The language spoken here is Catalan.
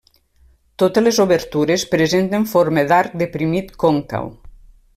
Totes les obertures presenten forma d'arc deprimit còncau.